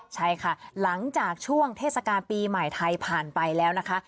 ใช่ค่ะหลังจากช่วงเทศกาลปีใหม่ไทยผ่านไปแล้วนะคะ